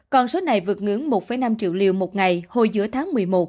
còn số này vượt ngưỡng một năm triệu liều một ngày hồi giữa tháng một mươi một